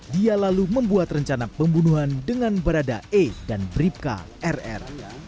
dia lalu membuat rencana pembunuhan dengan berada e dan bribka rr